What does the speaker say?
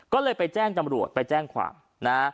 ก็เลยไปแจ้งจำรวจไปแจ้งความนะ